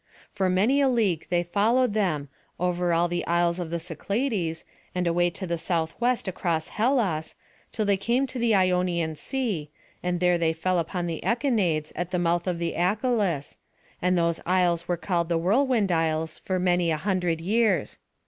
For many a league they followed them, over all the isles of the Cyclades, and away to the southwest across Hellas, till they came to the Ionian Sea, and there they fell upon the Echinades, at the mouth of the Achelous; and those isles were called the Whirlwind Isles for many a hundred years.